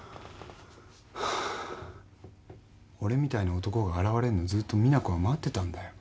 俺みたいな男が現れるのをずっと実那子は待ってたんだよ。